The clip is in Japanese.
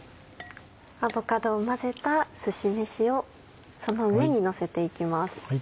アボカドを混ぜたすし飯をその上にのせていきます。